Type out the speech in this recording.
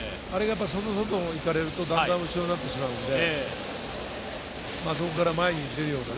外々いかれるとだんだん後ろになってしまうので、そこから前に出るような。